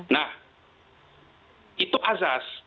nah itu asas